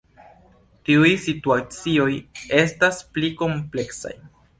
Tiuj situacioj estas pli kompleksaj.